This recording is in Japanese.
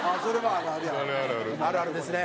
あるあるですね。